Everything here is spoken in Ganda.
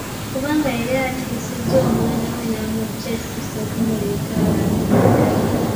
Kubanga yali attisizza omwana we ng’amuggya e Ssese okumuleeta alwane mu ntalo.